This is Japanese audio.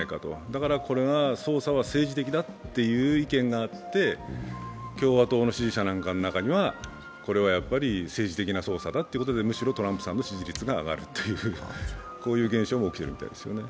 だからこれが捜査は政治的だっていう意見があって、共和党の支持者の中にはこれは政治的な捜査だということでむしろトランプさんの支持率が上がるというこういう現象も起きているみたいですよね。